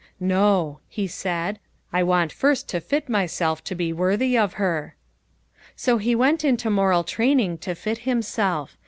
"No," he said, "I want first to fit myself to be worthy of her." So he went into moral training to fit himself.